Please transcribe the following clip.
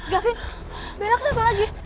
gavin bella kenapa lagi